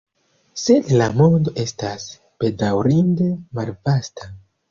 Sed la mondo estas, bedaŭrinde, malvasta.